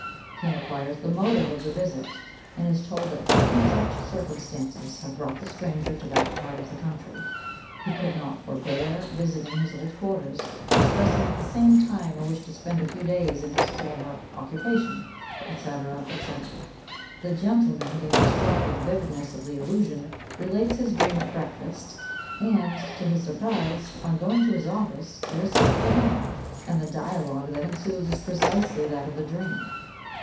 He inquires the motive of the visit, and is told that such and such circumstances having brought the stranger to that part of the country, he could not forbear visiting his old quarters, expressing at the same time a wish to spend a few days in his former occupation, &c., &c. The gentleman, being struck with the vividness of the illusion, relates his dream at breakfast, and, to his surprise, on going to his office, there sits the man, and the dialogue that ensues is precisely that of the dream!